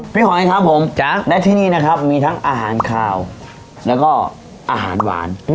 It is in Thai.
หอยครับผมและที่นี่นะครับมีทั้งอาหารขาวแล้วก็อาหารหวาน